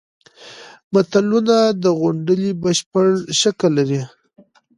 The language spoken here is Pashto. متلونه د غونډلې بشپړ شکل لري